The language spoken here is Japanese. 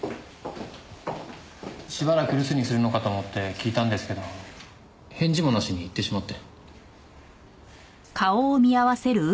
しばらく留守にするのかと思って聞いたんですけど返事もなしに行ってしまって。